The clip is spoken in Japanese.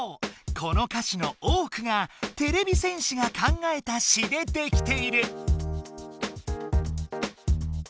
この歌詞の多くがてれび戦士が考えた「詞」で出来ている！